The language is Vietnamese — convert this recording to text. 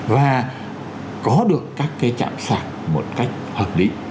và có được các cái chạm sạc một cách hợp lý